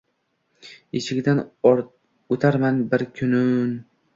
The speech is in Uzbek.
Eshigingdan o’tarman bir ku-u-un…